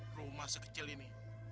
rumah sekecil ini